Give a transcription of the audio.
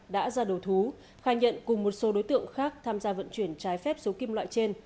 đã ra đầu thú khai nhận cùng một số đối tượng khác tham gia vận chuyển trái phép số kim loại trên